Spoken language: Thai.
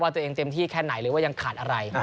ตัวเองเต็มที่แค่ไหนหรือว่ายังขาดอะไร